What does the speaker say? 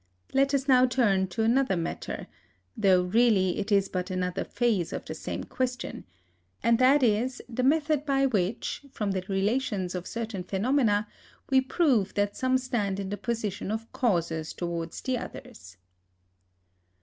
Let us now turn to another matter (though really it is but another phase of the same question), and that is, the method by which, from the relations of certain phenomena, we prove that some stand in the position of causes towards the others.